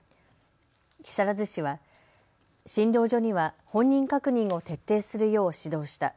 木更津市は診療所には本人確認を徹底するよう指導した。